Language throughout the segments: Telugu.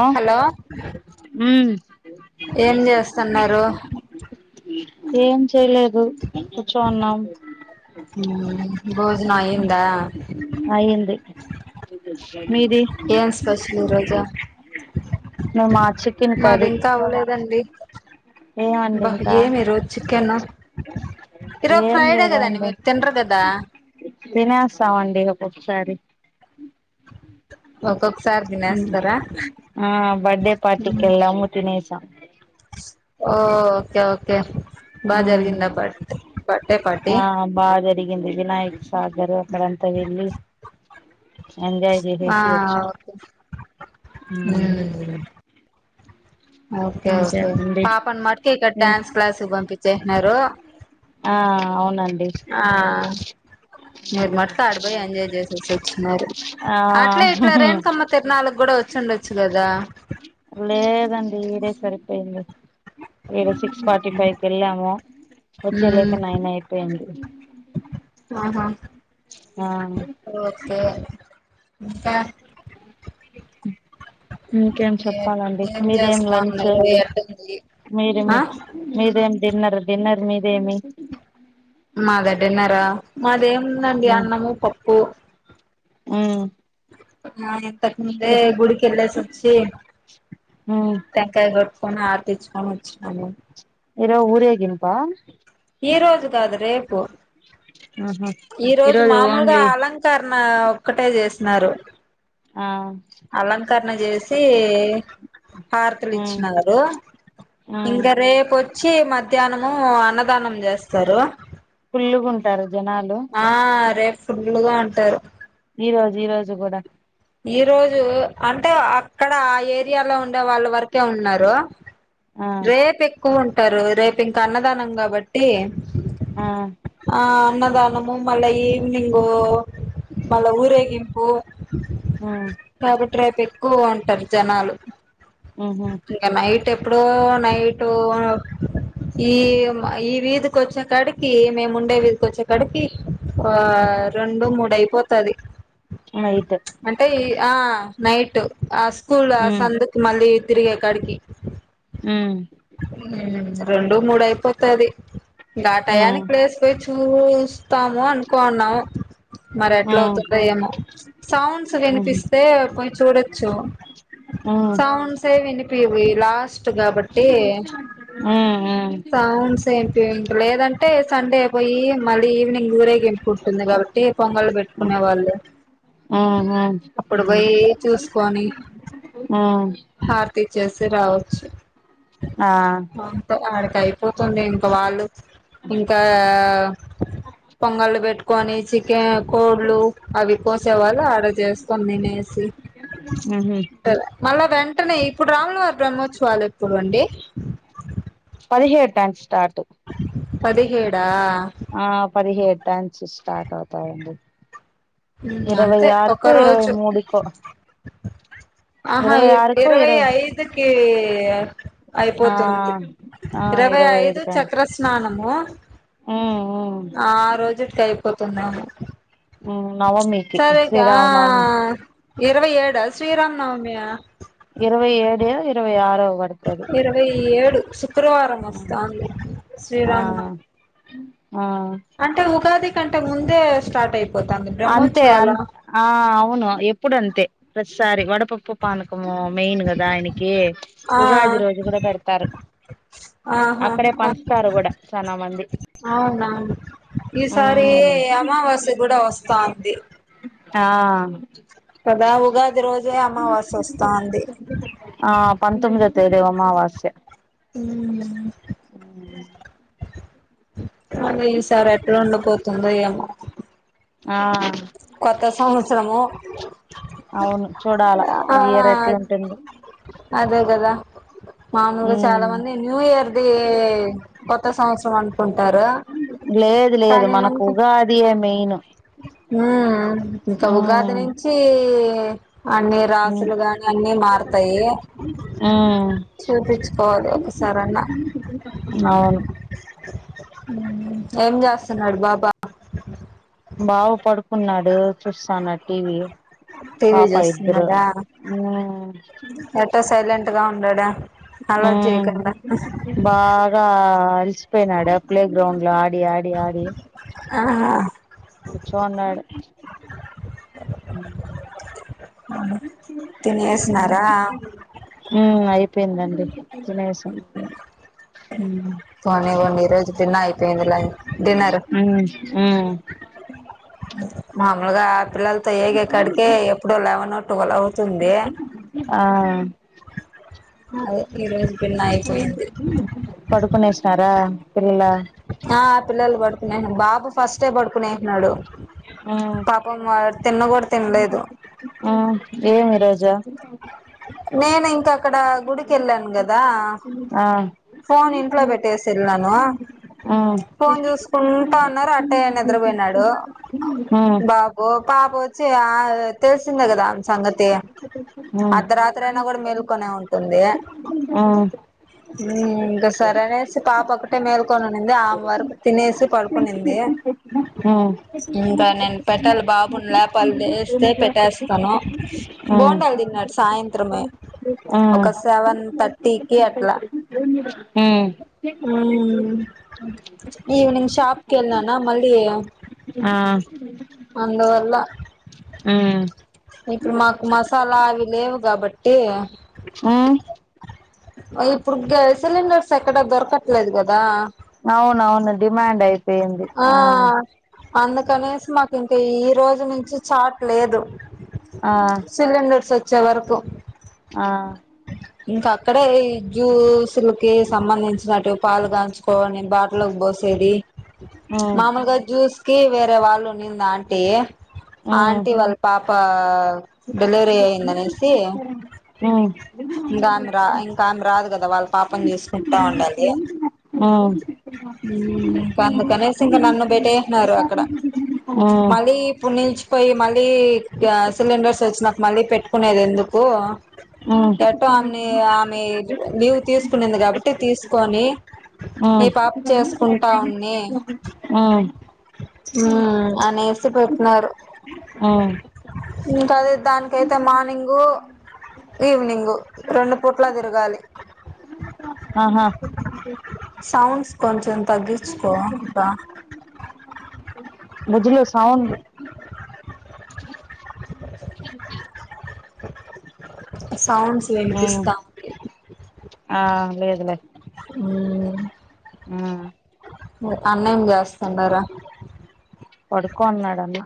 ఆ హలో ఉమ్ ఏం చేస్తున్నారు ఏం చేయలేదు కూర్చోన్నాం భోజనం అయిందా అయింది [unintelligible] ఏం స్పెషల్ ఈ రోజు ను మా చికెన్ కర్రీ ఏమండి బాహ్ ఇంకా ఏమిరు చికెన్ ఇరోజ ఏం ఫ్రైడే కదాండి లేదండి మీరు తినరు కదా సరే ఓ ఆ బర్డే పార్టీకి ఎలా మూ తిన స ఓ ఓకే ఓకే ఆ బాగా జరిగిందా బర్త్ బర్త్డే పార్టీ ఆ బాగా జరిగింది వినాయక్ సాగర్ అక్కడంతా వెళ్ళి ఎంజాయ్ ఆ చేసేసి వచ్చాం ఓకే ఉమ్ మ్మ్. ఓకే ఓకే ఇంకేమండి పాపం మటుకి ఇక్కడ డ్యాన్స్ క్లాసు పంపించేయి నరు ఆ అవునండి ఆ మీరు మట్కా ఆడిపోయి ఎంజాయ్ చేసేసి వచ్చినారు అట్లే ఇట్లా ఆ రేణుకమ్మ తిరనాలకు కూడా వచ్చుండొచ్చు కదా సరిపేయింది ఈడ సిక్స్ ఫార్టీ ఫైవ్ కెళ్ళాము ఉమ్ వచ్చేలేక నైన్ అయిపోయింది ఆహా ఆ ఓకే ఇంకా ఉ ఇంకేం చెప్పాలండి ఏం మీదేం చేస్తా లంచ్ ఉన్నారు ఎట్టుంది మీరే ఆ మి మీదేం డిన్నర్ డిన్నర్ మీదే మీ మాదా డిన్నరు మాదేముందండి అన్నము పప్ పూ ఊ ఆ తను ముందే గుడికెల్లేసి వచ్చి ఉమ్ టెంకాయ గొట్ కొని హారతిచ్చుకోని వచ్చిన నేను ఏ రా ఊరేగింపా ఈ రోజు కాదు రేపు ఆహా ఈ రోజు ఈరోజు మామూలుగా ఓన్లీ అలంకరణ ఆ ఒక్కటే చేసినారు ఆ కరణ చేసి హారతులిచ్చి ఉమ్ నారు ఆ ఇంక రేపు చ్చి మధ్యాహ్నము అన్న దానం చేస్తారు ఫుల్లుగుంటారు జనాలు ఆ రేపు ఫుల్లుగా ఉంటారు ఈ రోజు ఈ రోజు కూడా ఈ రోజు అంటే అక్కడ ఆ ఏరియాలో ఉండే వాళ్ళ వరకే ఉన్నారు ఆ రేపే ఎక్కువ ఉంటారు రేపు ఇంకా అన్నదానం కాబట్టి ఆ ఆ అన్నదానము మళ్ళా ఈవినింగ మళ్ళా ఊరేగింపు ఉమ్ ప్రడీప్ రెడ్డి ఎక్కువ ఉంటారు జనాలు ఉహు ఇంకా నై ఎప్పుడో నైట్ ఈ ఈ వీధికి వచ్చా ఇక్కడికి మేము ఉండేది వకొచ్చ అక్కడికి ఆ రెండు మూడు అయిపోతది అయితే అంటే ఈ ఆ నైట్ ఆ స్కూల్ ఆ ఉమ్ సందుకి మళ్ళీ తిరిగే కాడికి ఉ రెండు మూడు అయిపోతది గా ఉమ్ టాయానికి లేసి పోయి చూడు వస్తాము అనుకున్నాము మరి ఆ ఎట్లా అవుతుందో ఏమో సౌండ్స్ వినిపిస్తే పోయి చూడచ్చు సౌండ్సే వినిపివి ప్లాస్. స్ట్ కాబట్టి సౌండ్స్ ఏంపి ఇంక లేదంటే సండే బోయి మళ్ళీ ఈవినింగ్ ఊరేగింపు ఉంటుంది కాబట్టి పొంగలు పెట్టుకునే వాళ్ళు. అప్పుడు బోయ్ చూసుకొని హార్తిచ్చేస్. తిరావోచ్చు. పంపా అడక్. టైమ్. పోతుంది ఇంకా వాళ్ళు ఇంకా పొంగలు పెట్. క్వానీ చికెన్. కోళ్లు అవి కోసేవాల్. డ ఆడజేస్కొని దినేసి మళ్ళ వెం. ట్టనే. ఇప్పుడు రాములవారి బ్రహ్మోత్సవాలు ఎప్పుడు అండి. టన్ స్టార్ట్. పదిహేడా. ఆ పదిహేడ్. డ్యాన్స్ స్టార్ట్ అవుతా ఉంది. ఉమ్ అంతే ఒక రోజు మూడుకో ఆహా ఇరవై ఇ ఆరుకో ఇరవై ఐదుకీ ఆ ఐపోతుంది ఇరవై ఐదు చక్రస్నానము. ఆ రోజు. తో ఐపోతుందామో. ఉమ్ నవమికి శ్రీ రామ నవమిక్. ఇరవై ఏడు శ్రీరామ్ నవమియ్య. ఇరవై ఏడు ఇరవై ఆరో పడుతది ఇరవై ఏడు శుక్రవారం వస్తాంది శ్రీరామ్న నవ్. ఉమ్. అంటే ఉగాధికంటే ముందే. స్టార్టై. అంతే ఆల్ ఆ అవును ఎ. ప్పుడు డంటే ప్రతిసారి వడ. పప్పు పానకము మెయిన్ గదా ఆయనకి ఆ ఉగాది రోజు గూడా పెడతారు ఆహా అక్కడే పంచుతారు గుడా చాలా మంది. అవునవును శాంతి. ఆ కదా ఉగాది రోజ్. జే అమావాస్య వస్తాంది. తెదేవమావాస్య ఉమ్మ్మ్ [unintelligible] అ ఈ సార్ ఎప్పుడ్ ఉండ పో తందు యం ఆ అవును చూడాలా ఆ ఏ రెట్లు ఉంటుంది అదే కదా మామూల్గా చాలా మంది న్యూ ఇయర్ది కొత్త సంవత్సరం అన్ కుంటారు లేదు లేదు కానీ మనకు మన్కున్. ఉగాదియే మెయిన్ ఉమ్ ఇంక ఉగాది ఉమ్ నుంచి ఈ అన్ని ఉమ్ రాసులుగాని అన్ని మార్తాయి ఉమ్ చూపించుకోవాలి ఒకసారన్నా అవును ఏం చేస్తున్నాడు బాబా బావ్ పడుకున్నాడు చూస్తాన్న టీవీ టీవీ పాప ఇద్దరు ఎట సైలెంట్ గా ఉండడా అల్లరి ఉమ్ చేయకుండా బాగా అల్సిపోయినాడా ప్లే గ్రౌండ్ లో ఆడి ఆడి ఆడి ఆ కుచో ఉన్నాడు ఉమ్ తినేసినరా పెందండి తినేసామ్ పోనివ్వండి ఈరోజు తిన్న అయిపోయింది లై డిన్నర్ ఉమ్ మాముల్గా పిల్లలతో ఏగే కడ్కే ఎప్పుడో లెవెనో టువల్ అవుతుంది ఆ అదే ఈరోజు తిన్న అయిపోయింది పడుకునేశారా పిల్లల ఆ పిల్లలు పడుకునేహ్ బాబు ఫస్టే పడుకొనేహ్నాడు ఉమ్ కూడా తినలేదు ఉమ్ ఏం ఈరోజ్ జ నేనెంక క్కడ గుడికి ఎళ్లాన్ కదా. ఆ ఫోన్ ఇంట్లో పెట్టేసి వెళ్ళాను. ఉమ్ ఫోన్ చూసుకూంట ఉన్నాడు అట్టే నిద్రపోయినాడు. ఉమ్ బాబు పాప ఒచ్చి. అదె తెలిసిందే కదా అన్ సంగతి ఊ ఎప్పుడైనాగాని మెల్కొనే ఉంటుంది ఉమ్ ఊ ఇంక సరే అనేసి పాప ఒకటే మేల్కొనున్నింది ఆమె వరకు తినేసి పడుకునింది ఇంకా నిన్పన్ వాళ్ల బాబున్లా పల్దేశ్ తే పెట్టేస్తాను బోండాలు తిన్నాడు సాయంత్రం త్రమే ఒకసివన్ తట్టికీ అట్లా ఊ మ్మ్ ఈవెనింగ్ షాపుకి వెళ్ళనా మళ్ళీ ఆ అందువల్ల మ్ ఈవినింగ్ షాప్ కి వెళ్ళాన ఇప్పుడు మాకు మసాలా అవి లేవు కాబట్టి ఊ ఇప్పుడు గ్యాస్ సిలిండర్స్ ఎక్కడ దొరకట్లేదు కదా అవునవును డిమాండ్ అయిపోయింది ఆ అందుకనేసి మ ఇంక ఈ రోజు నుంచి చాట్ లేదు ఆ సిలిండర్స్ చ వరకు ఆ ఇంకా అక్కడే జ్యూసులకి సంబంధించినట్టు పాలు కాగాంచుకోని బాటకి పోసేది ఉమ్ మామలుగా జూస్ కి వేరేవాళ్ళు నందాంటే ఉమ్ ఆంటీ వల్పా [unintelligible] డెలివరీ అయ్యిందనేసి ఉమ్ ఇంకంధ్ర ఇంక ఆమె రాదు కదా వాళ్ళ పాపని చూసుకుంటా ఉండాలి ఉమ్ ఉమ్ ఉమ్ మ్ అందుకనేసి ఉమ్ ఇంక నన్ను పెట్టీ నారు అక్కడ మళ్ళీ ఇప్పునుంచి పోయి మళ్ళీ సిలిండర్స్ వచ్చినాక మళ్ళీ పెట్టుకునేది ఎందుకు ఏట్ట అని ఆమె ఇయదు లీవ్ తీసుకునింది కాబట్టి తీసుకొని ఈ పాప చేసుకుంటా ఉన్ని అహా ఆహా ఉ ఆనేసి పెట్నన్నారు ఆహా ఇంకా అది దానినికితే మార్నింగు ఈవినింగు రెండు పూట్లా తిరగాలి ఆహా సౌండ్స్ కొంచెం తగ్గించుకో ఇం మజలో సౌండ్ సౌండ్స్ ఉమ్ వినిపిస్తా ఉ ఆ అహా ఆహా అన్నయం చేస్తున్నారా పడుకోన్నాడన్నా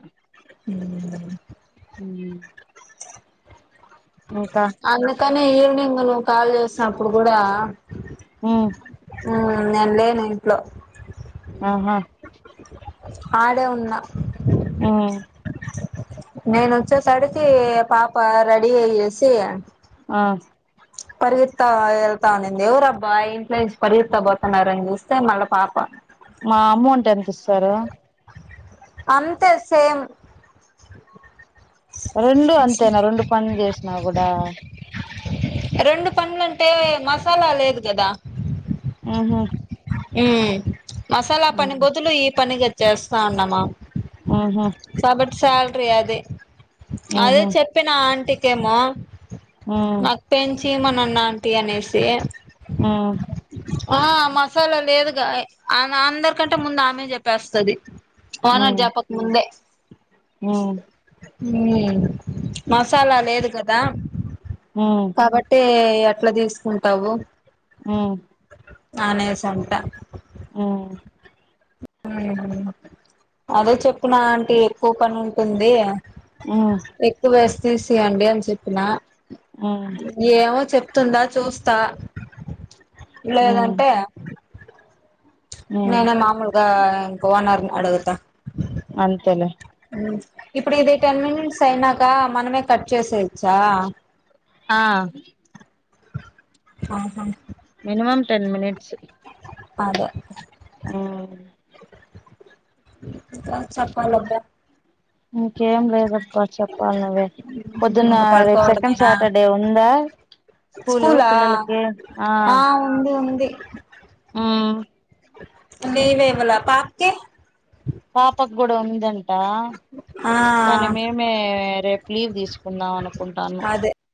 హ్మ్ హ్మ్ అందుకనే ఈవెనింగ్ నువ్వు కాల్ చేసినప్పుడు కూడా హ్మ్ హ్మ్ నేను లేను ఇంట్లో ఆహా ఆడే ఉన్నా హ్మ్ నేను వచ్చేసడికి పాప రెడీ అయ్యేసి ఆ పరిగెత్త వెళ్తా ఉనింది ఎవరు అబ్బా ఇంట్లో నుంచి పరిగెత్తతా పోతున్నారని చూస్తే మళ్ళా పాప మా అమౌంట్ ఎంత ఇస్తారు అంతే సేమ్ రెండు అంతేనా రెండు పనులు చేసిన కూడా రెండు పన్లంటే మసాలా లేదు కదా ఊహూ హ్మ్ మసాలా పని బదులు ఈ పనిగ చేస్తా ఉన్నమా ఉహు కాబట్టి సార్ ప్రియాదే అదే ఉహు చెప్పిన ఆంటీ తేమో ఉమ్ నాకు [unintelligible] నన్ను ఆంటీ అనేసి మ్ ఆ మా లేదుగా ఆమె అందర్కంటే ముందు ఆమె చెప్పేస్తది ఉమ్ ఓనర్ ఉమ్ జెప్పక్ ముందే ఉమ్ ఉమ్ ఉమ్ మసాలా లేదు కదా కాబట్టీ ఏ ఎట్లా తీస్కుంటావు. మ్ అనేస్ తంట మ్ అదే చెప్పిన అంటీ ఎక్కువ పనుంటుంది. ఎక్కు వేస్ తీసేయండి అన్ చెప్పినా ఉమ్ ఏమో చెప్ తుందా చూస్తా ఉమ్ లేదంటే ఉమ్ నేనే మామూల్ ఆ ఓనర్ అడుగుత అంతేలే ఇప్పుడిది టెన్ మినిట్స్ అయినాక మనమే కట్ చేసేయచ్చా ఆ ఆహా మినిమం టెన్ మినిట్స్ అదే హ్ ఇంకా చెప్పాలబ్బా ఇంకేం లేదబ్బా చెప్పాల్నువ్వే పొద్దున్న ఇంక రేప్ సెకండ్ పడుకోవడమేనా సాటర్డే ఉందా స్కూల్ స్కూలా పిల్లలకి ఆ ఉంది ఉంది ఉ [unintelligible] పాపకి పాపక్ గడ ఉందం టా ఆ కని మేమే రేప్ లీవ్ తీసుకుందాం అను కుంటాను. అదే